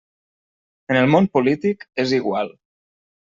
En el món polític és igual.